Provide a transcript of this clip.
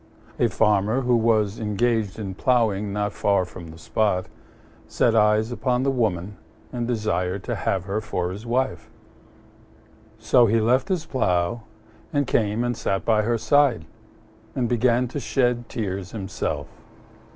A Farmer, who was engaged in ploughing not far from the spot, set eyes upon the Woman and desired to have her for his wife: so he left his plough and came and sat by her side, and began to shed tears himself.